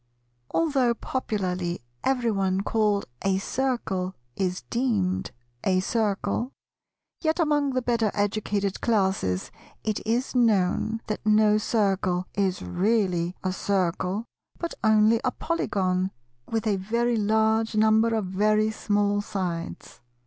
Although popularly everyone called a Circle is deemed a Circle, yet among the better educated Classes it is known that no Circle is really a Circle, but only a Polygon with a very large number of very small sides.